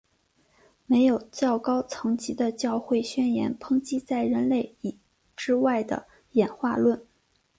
没有较高层级的教会宣言抨击在人类之外的演化论。